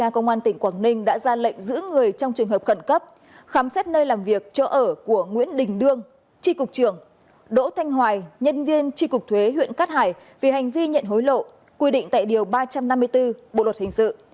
công an tỉnh quảng ninh đã ra lệnh giữ người trong trường hợp khẩn cấp khám xét nơi làm việc chỗ ở của nguyễn đình đương tri cục trưởng đỗ thanh hoài nhân viên tri cục thuế huyện cát hải vì hành vi nhận hối lộ quy định tại điều ba trăm năm mươi bốn bộ luật hình sự